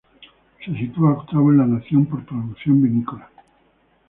Se sitúa octavo en la nación por producción vinícola.